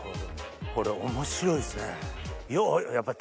これ面白いですね。